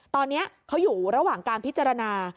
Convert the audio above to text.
ตอนนี้เขาอยู่ระหว่างการพิจารณา